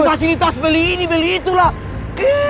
pakai fasilitas beli ini beli itu lah